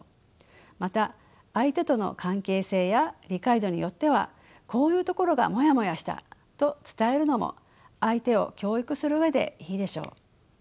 また相手との関係性や理解度によってはこういうところがモヤモヤしたと伝えるのも相手を教育する上でいいでしょう。